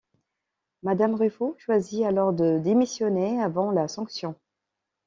Madame Ruffo choisit alors de démissionner avant la sanction.